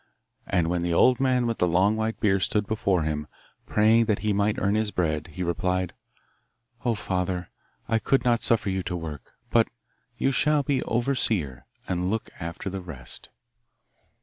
And when the old man with the long white beard stood before him, praying that he might earn his bread, he replied, 'Oh, father, I could not suffer you to work, but you shall be overseer, and look after the rest.